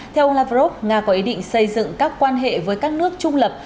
theo lavrov nga có ý định xây dựng các quan hệ với các nước trung lập